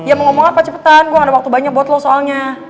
ya mau ngomong apa cepet cepetan gue gak ada waktu banyak buat lo soalnya